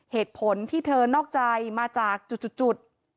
เหตุผลที่เธอนอกใจมาจากจุด